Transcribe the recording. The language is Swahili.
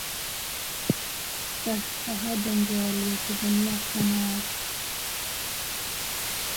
Stashahada ndiyo waliyoipigania sana watu